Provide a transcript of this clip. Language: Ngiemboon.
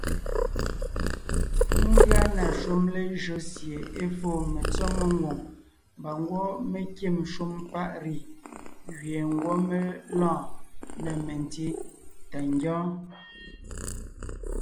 Ngʉa na shúm lejÿo sie é foo metsɔ́ mengwòŋ mbà ngwɔ́ mé kîm shúm paʼ “riz” gẅie ngwɔ́ mé lɔɔn na metsí tà ngyɔ́ɔn.